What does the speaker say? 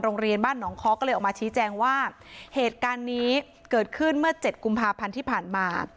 โรงเรียนบ้านหนองคอก็เลยออกมาชี้แจงว่าเหตุการณ์นี้เกิดขึ้นเมื่อเจ็ดกุมภาพันธ์ที่ผ่านมา